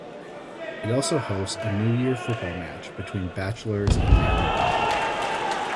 It also hosts a new year football match between bachelors and married men.